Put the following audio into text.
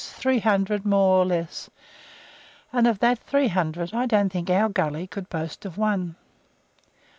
three hundred more or less, and of the three hundred I don't think our gully could boast of one.